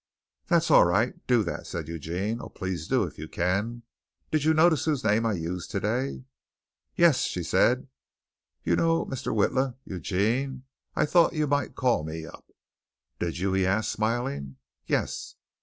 "That's all right. Do that," said Eugene. "Oh, please do, if you can. Did you notice whose name I used today?" "Yes," she said. "You know Mr. Witla, Eugene, I thought you might call me up?" "Did you?" he asked, smiling. "Yes."